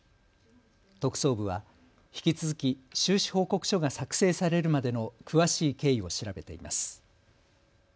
特捜部は引き続き収支報告書が作成されるまでの詳しい経緯を調べています。